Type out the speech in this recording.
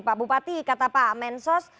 pak bupati kata pak mensos